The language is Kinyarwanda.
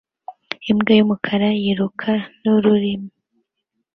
Imbwa yumukara yiruka nururimi